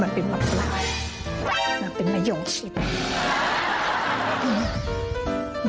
มันเป็นปับสำนาจจริง